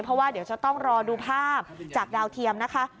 เพราะว่าเดี๋ยวจะต้องรอดูภาพจากดาวเทียมนะคะ